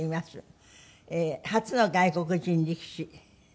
初の外国人力士。